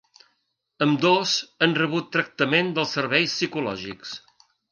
Ambdós han rebut tractament dels serveis psicològics.